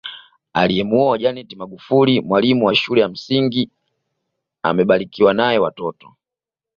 Amemuoa Janet Magufuli mwalimu wa shule ya msingi na amebarikiwa nae watoto